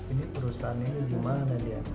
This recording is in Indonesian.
ini perusahaan ini dimana dia